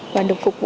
và được phục vụ